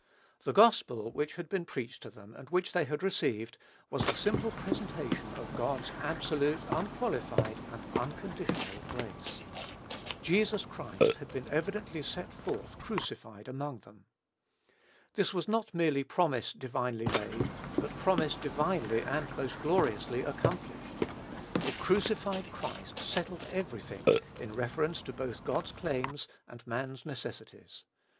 The gospel which had been preached to them and which they had received, was the simple presentation of God's absolute, unqualified, and unconditional, grace. "Jesus Christ had been evidently set forth crucified among them." This was not merely promise divinely made, but promise divinely and most gloriously accomplished. A crucified Christ settled every thing in reference both to God's claims and man's necessities.